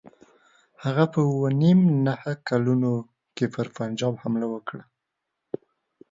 هغه په اووه نیم نه کلونو کې پر پنجاب حمله وکړه.